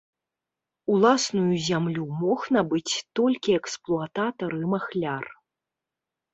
Уласную зямлю мог набыць толькі эксплуататар і махляр.